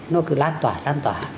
nó cứ lan tỏa lan tỏa